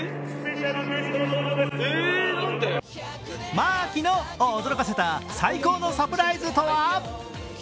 「まーきの」を驚かせた最高のサプライズとは？